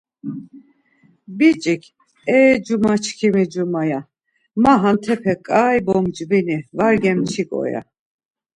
Biçik, E Cuma, çkimi cuma, ya, ma hantepe ǩai bomcvini, var gemçiǩo ya.